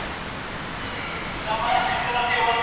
يو له بل سره د صميميت، مهربانۍ، درناوي او محبت ژوند وکړي.